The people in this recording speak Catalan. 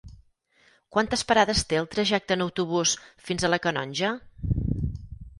Quantes parades té el trajecte en autobús fins a la Canonja?